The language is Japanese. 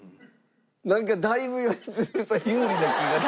なんかだいぶ良純さん有利な気がする。